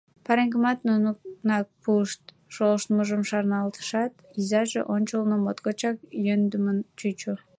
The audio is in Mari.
Пареҥгымат нунак пуышт, — шолыштмыжым шарналтышат, изаже ончылно моткочак йӧндымын чучо.